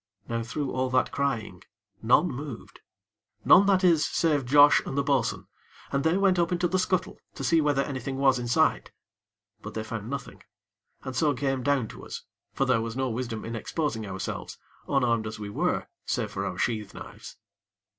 Now through all that crying, none moved; none, that is, save Josh and the bo'sun, and they went up into the scuttle to see whether anything was in sight; but they found nothing, and so came down to us; for there was no wisdom in exposing ourselves, unarmed as we were, save for our sheath knives.